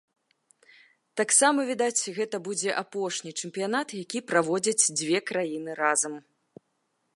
Таксама, відаць, гэта будзе апошні чэмпіянат, які праводзяць дзве краіны разам.